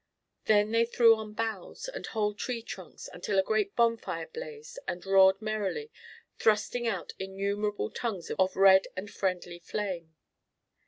Then they threw on boughs and whole tree trunks, until a great bonfire blazed and roared merrily, thrusting out innumerable tongues of red and friendly flame.